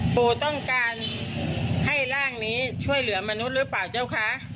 ปู่ต้องการให้ร่างนี้ช่วยเหลือมนุษย์หรือเปล่าเจ้าคะ